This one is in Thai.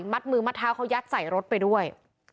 มัดมือมัดเท้าเขายัดใส่รถไปด้วย